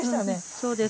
そうです。